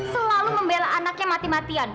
selalu membela anaknya mati matian